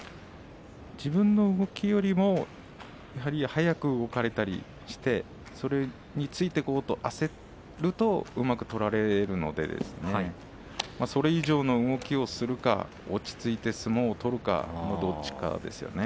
自分の動きよりも速く動かれたりしてそれについていこうと焦ったりするとうまく取られるのでそれ以上の動きをするか落ち着いて相撲を取るかどっちかですよね。